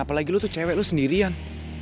apalagi lu tuh cewek lo sendirian